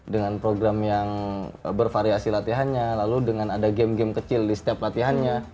dengan program yang bervariasi latihannya lalu dengan ada game game kecil di setiap latihannya